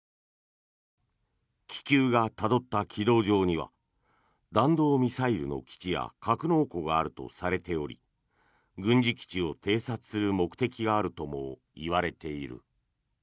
気球がたどった軌道上には弾道ミサイルの基地や格納庫があるとされており軍事基地を偵察する目的があるともいわれている。